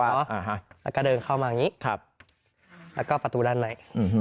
แล้วก็เดินเข้ามาอย่างนี้ครับแล้วก็ประตูด้านใน